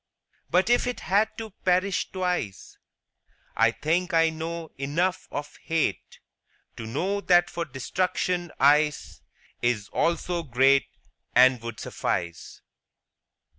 But if it had to perish twice, I think I know enough of hate To know that for destruction ice Is also great, And would suffice.